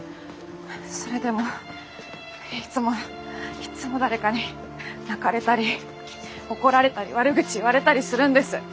それでもいっつもいっつも誰かに泣かれたり怒られたり悪口言われたりするんです。